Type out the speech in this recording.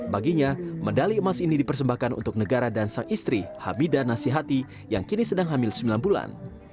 baginya medali emas ini dipersembahkan untuk negara dan sang istri habida nasihati yang kini sedang hamil sembilan bulan